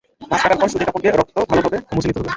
মাছ কাটার পর সুতি কাপড় দিয়ে রক্ত ভালোভাবে মুছে নিতে হবে।